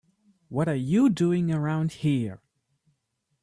What are you doing around here?